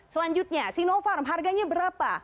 selanjutnya sinovac harganya berapa